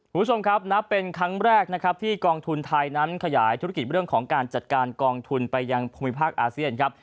คุณผู้ชมครับนับเป็นครั้งแรกนะครับที่กองทุนไทยนั้นขยายธุรกิจเรื่องของการจัดการกองทุนไปยังภูมิภาคอาเซียนครับ